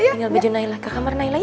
tinggal baju naila ke kamar naila yuk